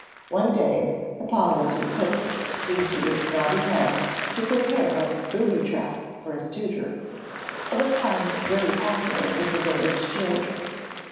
One day Hippolyte took it into his naughty head to prepare a 'booby trap' for his tutor, of a kind very popular with the village children.